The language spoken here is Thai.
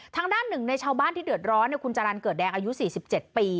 ทางด้านหนึ่งในชาวบ้านที่เดือดร้อนคุณจรรย์เกิดแดงอายุ๔๗ปี